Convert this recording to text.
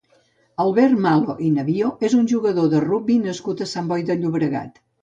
Albert Malo i Navío és un jugador de rugbi nascut a Sant Boi de Llobregat.